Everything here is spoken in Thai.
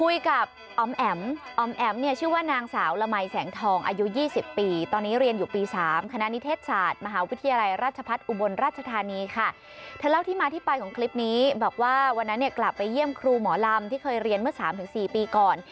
รวมไปถึงเสียงแคงก็เพราะด้วยนี่เป็นคลิปสาวอีสาน